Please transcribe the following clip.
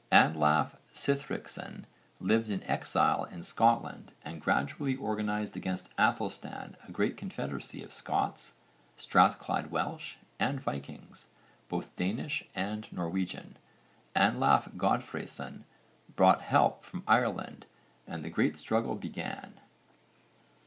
Anlaf Sihtricsson lived in exile in Scotland and gradually organised against Aethelstan a great confederacy of Scots, Strathclyde Welsh and Vikings, both Danish and Norwegian, Anlaf Godfreyson brought help from Ireland and the great struggle began.